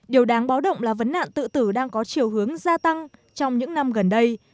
điều đáng báo động là vấn nạn tự tử đang có chiều hướng gia tăng trong những năm gần đây